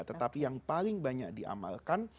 tetapi yang paling banyak diamalkan